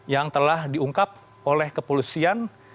yang telah diungkap oleh kepolisian